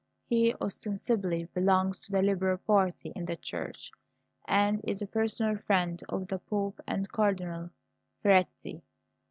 He ostensibly belongs to the liberal party in the Church, and is a personal friend of the Pope and Cardinal Feretti.